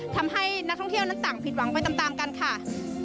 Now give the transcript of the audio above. ทำให้นักท่องเที่ยวนั้นต่างผิดหวังไปตามกันค่ะ